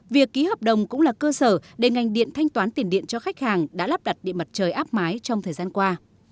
việc ký hợp đồng cũng là cơ sở để ngành điện thanh toán tiền điện cho khách hàng đã lắp đặt điện mặt trời áp mái trong thời gian qua